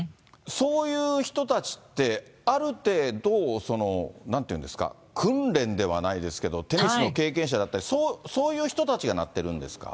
そういう人たちって、ある程度、なんていうんですか、訓練ではないですけれども、テニスの経験者だったり、そういう人たちがなってるんですか。